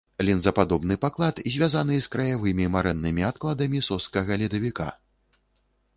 Лінзападобны паклад звязаны з краявымі марэннымі адкладамі сожскага ледавіка.